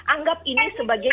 anggap ini sebagai